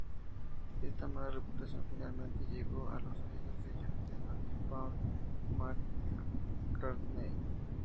Esta mala reputación finalmente llegó a los oídos de John Lennon y Paul McCartney.